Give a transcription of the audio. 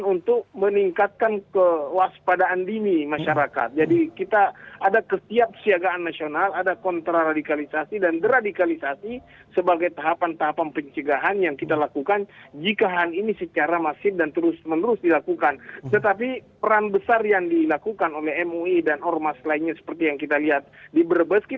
untuk melaksanakan dua strategi yaitu hard approach dan soft approach